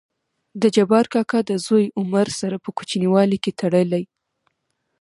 دجبار کاکا دزوى عمر سره په کوچينوالي کې تړلى.